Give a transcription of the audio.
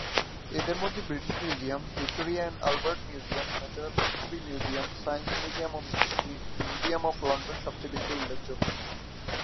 এদের মধ্যে British museum, Victoria and Albert museum, natural history museum, science museum ও museum of London সবচেয়ে বেশি উল্লেখযোগ্য।